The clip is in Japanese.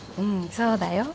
そうだよ。